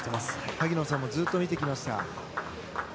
萩野さんもずっと見てきました。